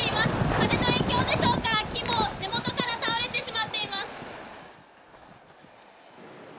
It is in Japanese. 風の影響でしょうか、木も根元から倒れてしまっています。